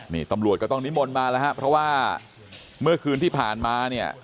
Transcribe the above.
นี่ตำรวจก็ต้องนิมนต์มาแล้วครับเพราะว่าเมื่อคืนที่ผ่านมาเนี่ย